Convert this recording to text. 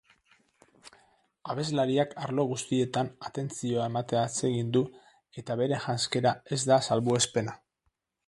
Abeslariak arlo guztietan atentzioa ematea atsegin du eta bere janzkera ez da salbuespena.